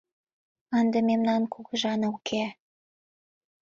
Ынде мемнан кугыжана уке.